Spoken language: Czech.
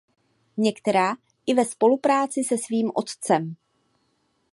Některá i ve spolupráci se svým otcem.